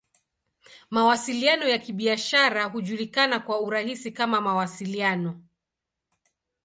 Mawasiliano ya Kibiashara hujulikana kwa urahisi kama "Mawasiliano.